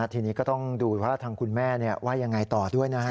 ทีนี้ก็ต้องดูว่าทางคุณแม่ว่ายังไงต่อด้วยนะฮะ